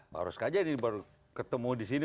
barus saja ini baru ketemu disitu